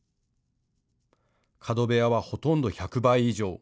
角部屋はほとんど１００倍以上。